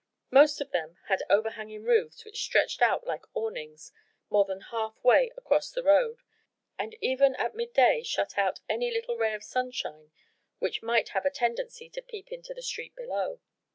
Most of them had overhanging roofs which stretched out like awnings more than half way across the road, and even at midday shut out any little ray of sunshine which might have a tendency to peep into the street below.